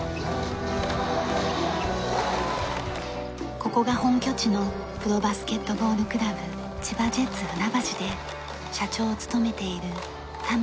ここが本拠地のプロバスケットボールクラブ千葉ジェッツふなばしで社長を務めている田村征也さん。